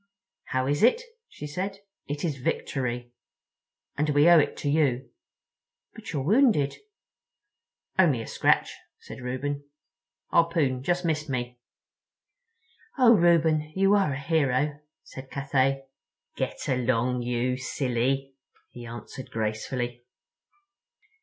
"How is it?" she said. "It is Victory. And we owe it to you. But you're wounded?" "Only a scratch," said Reuben; "harpoon just missed me." "Oh, Reuben, you are a hero," said Cathay. "Get along, you silly," he answered gracefully.